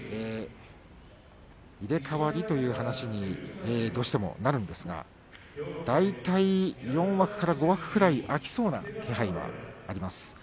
入れ代わりという話にどうしてもなるんですが大体４枠から５枠ぐらい空きそうな気配があります。